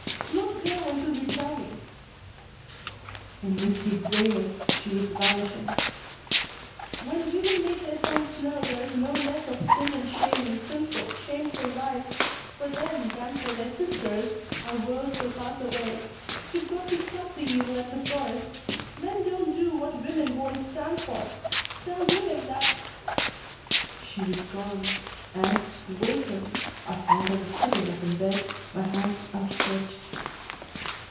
"Do not go until you tell me " In misty grayness she was vanishing. "When women make their sons know there is no less of sin and shame in sinful, shameful lives for them than for their sisters our worlds will pass away. You've got to stop the evil at the source. Men don't do what women won't stand for. Tell women that " She was gone and, waking, I found I was sitting up in bed, my hands outstretched.